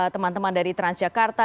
teman teman dari transjakarta